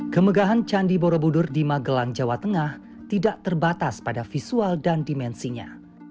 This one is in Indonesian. kemegahan candi borobudur di magelang jawa tengah tidak terbatas pada visual dan dimensinya